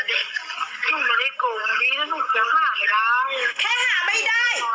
แค่หาไม่ได้แค่รับไปแค่ไม่ส่งแค่ไม่มีแม่แค่ไม่โกง